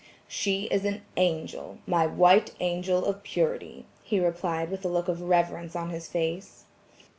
"She is an angel, my white angel of purity," he replied with a look of reverence on his face.